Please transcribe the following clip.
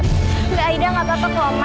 nggak aida nggak apa apa kok oma